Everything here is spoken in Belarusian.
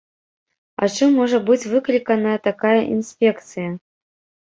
А чым можа быць выкліканая такая інспекцыя?